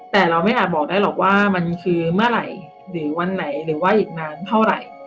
แต่เราไม่อาจบอกได้หรอกว่ามันคือเมื่อไหร่หรือวันไหนหรือว่าอีกนานเท่าไหร่